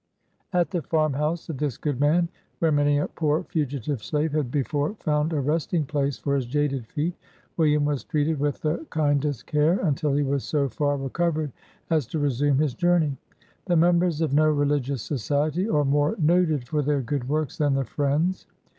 '" At the farm house of this good man, where many a poor fugitive slave had before found a resting place for his jaded feet, William was treated with the kindest care, until he was so far recovered as to resume his journey. The members of no religious society are more noted for their good works than the Friends.